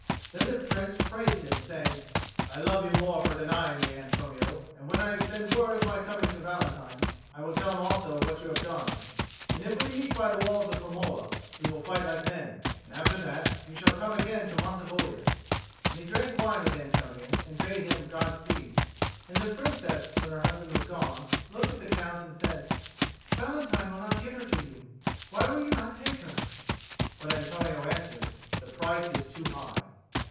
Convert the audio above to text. Then the Prince praised him, saying, "I love you more for denying me, Antonio; and when I send word of my coming to Valentine, I will tell him also of what you have done. And if we meet by the walls of Firmola, we will fight like men; and, after that, you shall come again to Mantivoglia;" and he drank wine with Antonio, and so bade him God speed. And the Princess, when her husband was gone, looked at the Count and said, "Valentine will not give her to you. Why will not you take her?" But Antonio answered: "The price is too high."